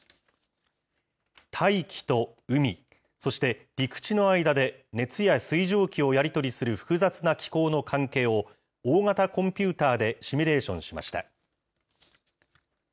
大気と海、そして陸地の間で熱や水蒸気をやり取りする複雑な気候の関係を、大型コンピューターでシミュレーションしました。